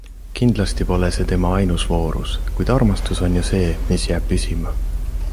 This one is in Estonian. Kindlasti pole see tema ainus voorus, kuid armastus on ju see, mis jääb püsima.